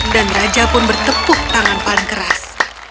dan raja pun bertepuk tangan paling keras